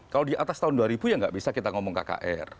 kalau di atas tahun dua ribu ya nggak bisa kita ngomong kkr